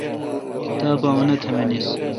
تا پا اُنآ تی منیس